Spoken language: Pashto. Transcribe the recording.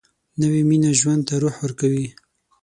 نوې مینه ژوند ته روح ورکوي